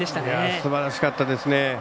すばらしかったですね。